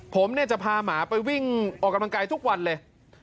ผมเนี่ยจะพาหมาไปวิ่งออกกำลังกายทุกวันเลย